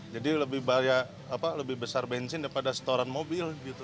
jadi lebih banyak apa lebih besar bensin daripada setoran mobil gitu